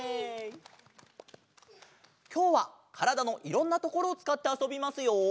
きょうはからだのいろんなところをつかってあそびますよ！